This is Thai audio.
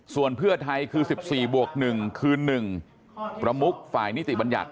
ส่วนเพื่อไทยคือ๑๔บวก๑คือ๑ประมุกฝ่ายนิติบัญญัติ